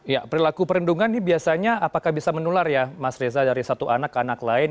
ya perilaku perundungan ini biasanya apakah bisa menular ya mas reza dari satu anak ke anak lain